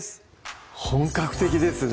本格的ですね